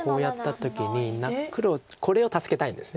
黒これを助けたいんです。